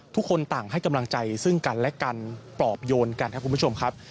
ทุกคนต่างให้กำลังใจซึ่งกันและกันปลอบโยนกันครับคุณผู้ชมครับ